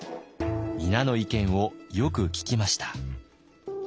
皆の意見をよく聞きました。